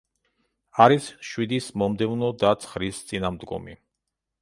არის შვიდის მომდევნო და ცხრის წინამდგომი.